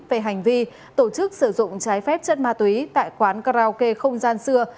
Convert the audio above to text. về hành vi tổ chức sử dụng trái phép chất ma túy tại quán karaoke không gian xưa